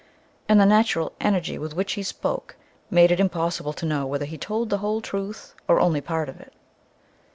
And the natural energy with which he spoke made it impossible to know whether he told the whole truth or only a part of it.